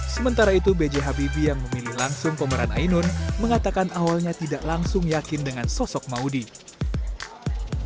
sementara itu b j habibie yang memilih langsung pemeran ainun mengatakan awalnya tidak langsung yakin dengan sosok maudie